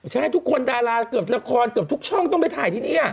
ใช่ทุกคนดาราเกือบละครเกือบทุกช่องต้องไปถ่ายที่นี่